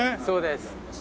そうです。